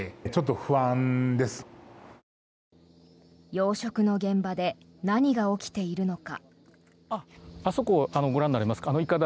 養殖の現場で何が起きているのか。